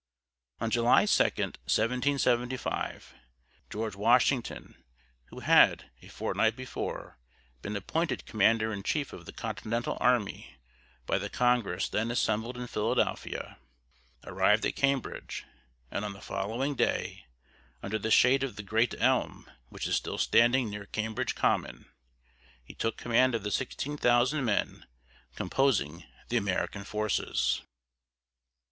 On July 2, 1775, George Washington, who had, a fortnight before, been appointed commander in chief of the Continental army by the Congress then assembled in Philadelphia, arrived at Cambridge, and on the following day, under the shade of the great elm which is still standing near Cambridge Common, he took command of the sixteen thousand men composing the American forces.